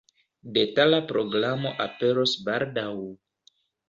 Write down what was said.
Detala programo aperos baldaŭ.